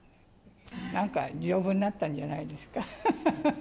なんか丈夫になったんじゃないですか。